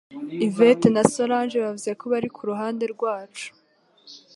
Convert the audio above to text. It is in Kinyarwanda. Yvette na solange bavuze ko bari ku ruhande rwacu.